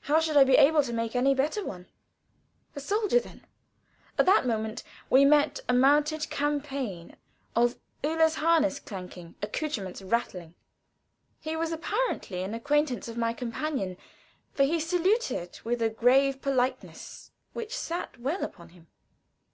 How should I be able to make any better one? A soldier, then? At that moment we met a mounted captain of Uhlans, harness clanking, accouterments rattling. He was apparently an acquaintance of my companion, for he saluted with a grave politeness which sat well upon him.